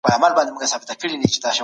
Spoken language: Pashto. لومړۍ موخه په څرګنده توګه تاييد سوه.